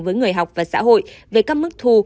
với người học và xã hội về các mức thu